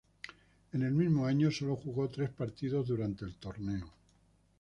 En el mismo año, sólo jugó tres partidos durante el torneo.